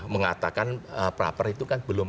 mengatakan proper itu kan belum